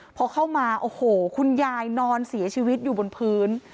พอเข้ามาโอ้โหคุณยายนอนเสียชีวิตอยู่บนพื้น